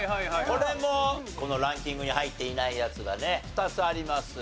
これもこのランキングに入っていないやつがね２つあります。